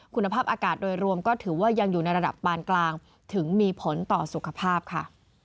คุณภาพอากาศโดยรวมก็ถือว่ายังอยู่ในระดับปานกลางถึงมีผลต่อสุขภาพค่ะ